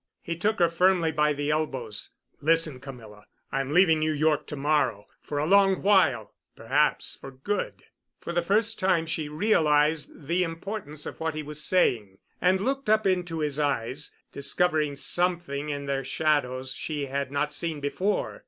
He took her firmly by the elbows. "Listen, Camilla! I'm leaving New York to morrow for a long while—perhaps for good——" For the first time she realized the importance of what he was saying and looked up into his eyes, discovering something in their shadows she had not seen before.